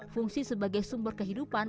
fungsi sebagai sumber kehidupan